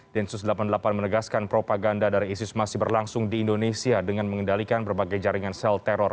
densus delapan puluh delapan menegaskan propaganda dari isis masih berlangsung di indonesia dengan mengendalikan berbagai jaringan sel teror